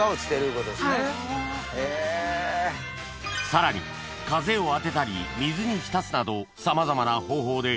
さらに風を当てたり水に浸すなどさまざまな方法で